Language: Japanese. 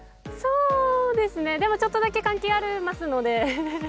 でも、ちょっとだけ関係ありますので。